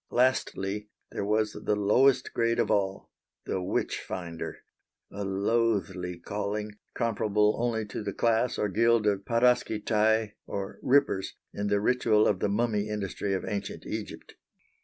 Lastly there was the lowest grade of all, the Witch finder a loathly calling, comparable only to the class or guild of "paraskistae" or "rippers" in the ritual of the Mummy industry of ancient Egypt.